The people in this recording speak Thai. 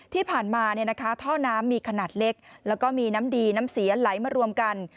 ที่ผ่านมาท่อน้ำมีขนาดเล็กแล้วก็มีน้ำดีน้ำเสียไหลมารวมกัน